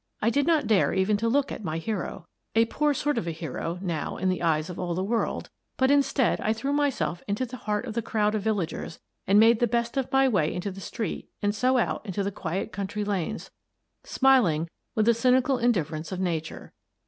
I did not dare even to look at my hero, — a poor sort of a hero, now, in the eyes of all the world, — but instead I threw myself into the heart of the crowd of villagers and made the best of my way into the street and so out into the quiet country lanes, smiling* with the cynical indifference of Nature.